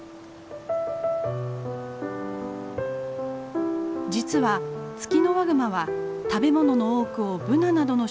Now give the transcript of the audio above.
実はツキノワグマは食べ物の多くをブナなどの植物に頼っているんです。